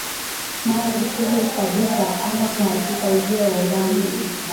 mara zisizohesabika Ama kwa hakika ujio wa Obama